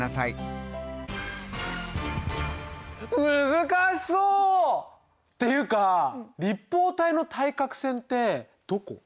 難しそう！っていうか立方体の対角線ってどこ？